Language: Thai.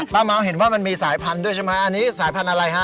เมาส์เห็นว่ามันมีสายพันธุ์ด้วยใช่ไหมอันนี้สายพันธุ์อะไรฮะ